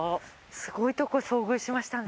すごいとこ遭遇しましたね。